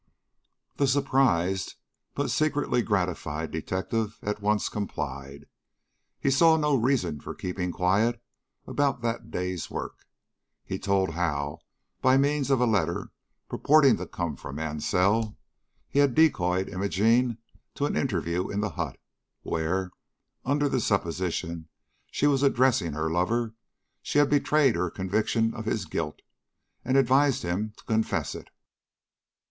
The surprised, but secretly gratified, detective at once complied. He saw no reason for keeping quiet about that day's work. He told how, by means of a letter purporting to come from Mansell, he had decoyed Imogene to an interview in the hut, where, under the supposition she was addressing her lover, she had betrayed her conviction of his guilt, and advised him to confess it.